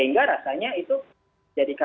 tindakan yang dilakukan oleh pemerintah